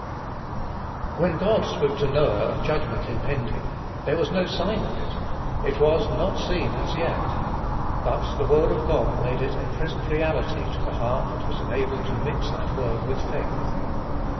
When God spoke to Noah of judgment impending, there was no sign of it. It was "not seen as yet;" but the word of God made it a present reality to the heart that was enabled to mix that word with faith.